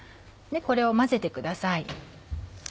これを混ぜてください。